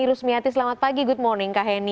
terus miati selamat pagi good morning kak heni